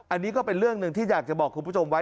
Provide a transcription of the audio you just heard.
อันนี้ก็เป็นเรื่องหนึ่งที่อยากจะบอกคุณผู้ชมไว้